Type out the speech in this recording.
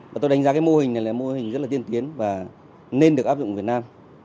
và tôi đánh giá cái mô hình này là mô hình rất là tiên tiến và nên được áp dụng việt nam